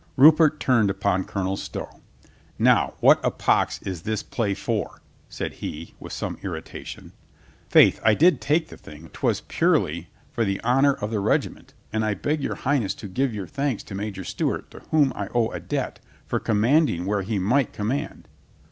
Rupert turned upon Colonel Stow. "Now, what a pox is this play for?" said he with some irrita tation. "Faith, I did take the thing, but 'twas purely for the honor of the regiment, and I beg Your High ness to give your thanks to Major Stewart, to whom COLONEL STOW KEEPS THE PEACE 191 I owe a debt, for commanding where he might com mand."